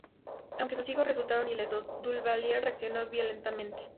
Aunque sus hijos resultaron ilesos, Duvalier reaccionó violentamente.